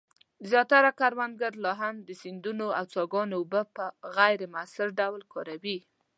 زیاتره کروندګر لا هم د سیندونو او څاګانو اوبه په غیر مؤثر ډول کاروي.